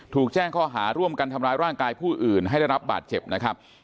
ถูกแจ้งข้อหาร่วมกันทำร้ายร่างกายผู้อื่นให้ได้รับบาดเจ็บนะครับ